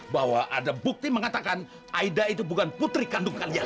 bahwa ada bukti mengatakan aida itu bukan putri kandung kalian